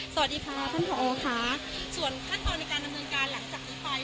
สวัสดีค่ะท่านผอค่ะส่วนขั้นตอนในการดำเนินการหลังจากนี้ไป